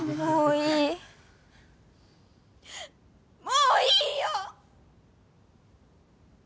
もういいよ！